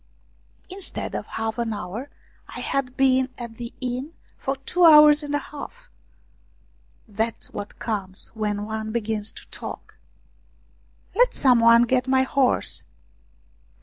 Instead of half an hour, I had been at the inn for two hours and a half! That's what comes when one begins to talk. " Let some one get my horse